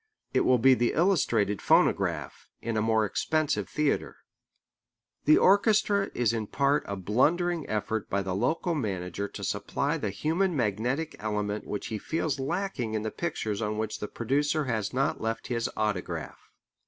It will be the illustrated phonograph, in a more expensive theatre. The orchestra is in part a blundering effort by the local manager to supply the human magnetic element which he feels lacking in the pictures on which the producer has not left his autograph.